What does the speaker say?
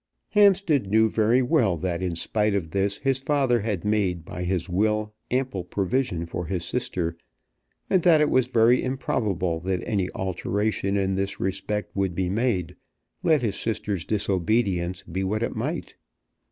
Hampstead knew very well that, in spite of this, his father had made by his will ample provision for his sister, and that it was very improbable that any alteration in this respect would be made, let his sister's disobedience be what it might.